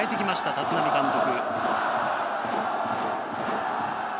立浪監督。